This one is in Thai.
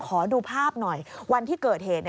ขอดูภาพหน่อยวันที่เกิดเหตุ